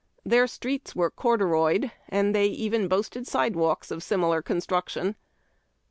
Their streets were corduroyed, and they even boasted sidewalks of similar construction.